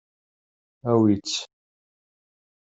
Awi-tt.